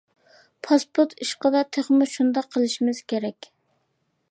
پاسپورت ئىشىدا تېخىمۇ شۇنداق قىلىشىمىز كېرەك.